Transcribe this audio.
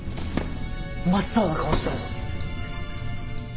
真っ青な顔してるぞ。